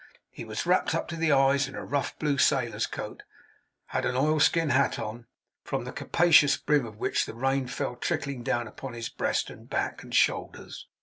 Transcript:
He was wrapped up to the eyes in a rough blue sailor's coat, and had an oil skin hat on, from the capacious brim of which the rain fell trickling down upon his breast, and back, and shoulders.